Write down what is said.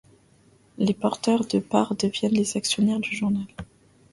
Les porteurs de part deviennent les actionnaires du journal.